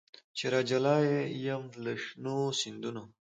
چي راجلا یم له شنو سیندونو